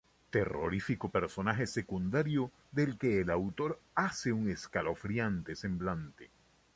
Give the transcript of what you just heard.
Terrorífico personaje secundario del que el autor hace un escalofriante semblante.